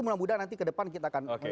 mudah mudahan nanti ke depan kita akan